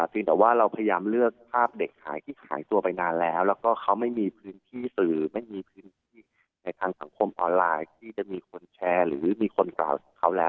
จริงแต่ว่าเราพยายามเลือกภาพเด็กหายที่หายตัวไปนานแล้วแล้วก็เขาไม่มีพื้นที่สื่อไม่มีพื้นที่ในทางสังคมออนไลน์ที่จะมีคนแชร์หรือมีคนกล่าวเขาแล้ว